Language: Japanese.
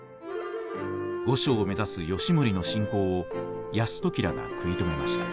御所を目指す義盛の進攻を泰時らが食い止めました。